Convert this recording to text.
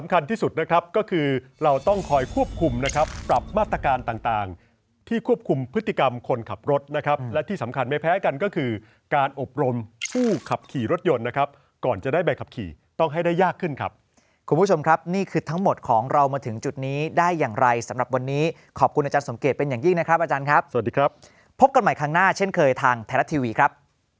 กรรมคนขับรถนะครับและที่สำคัญไม่แพ้กันก็คือการอบรมผู้ขับขี่รถยนต์นะครับก่อนจะได้ใบขับขี่ต้องให้ได้ยากขึ้นครับคุณผู้ชมครับนี่คือทั้งหมดของเรามาถึงจุดนี้ได้อย่างไรสำหรับวันนี้ขอบคุณอาจารย์สมเกตเป็นอย่างยิ่งนะครับอาจารย์ครับสวัสดีครับพบกันใหม่ครั้งหน้าเช่นเคยทางแถลทีวีครับ